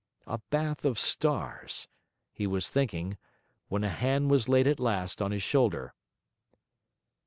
'A bath of stars,' he was thinking; when a hand was laid at last on his shoulder.